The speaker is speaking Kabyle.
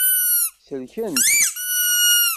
Selkent.